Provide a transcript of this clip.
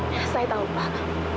ya saya tau pak